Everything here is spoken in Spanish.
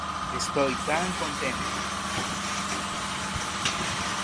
Estoy tan contento!